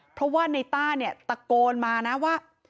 เพราะว่าในต้าตะโกนมาว่า